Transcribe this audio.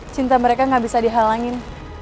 cinta mereka gak bisa dihalangin